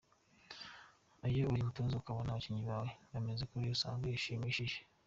Iyo uri umutoza ukabona abakinnyi bawe bameze kuriya usanga bishimishije.